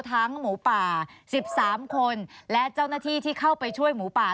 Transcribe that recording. หมูป่า๑๓คนและเจ้าหน้าที่ที่เข้าไปช่วยหมูป่า